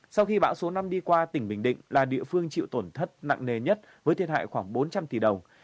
sau khi bão số năm đi qua tỉnh bình định là địa phương chịu tổn thất nặng nề nhất với thiệt hại khoảng bốn trăm linh tỷ đồng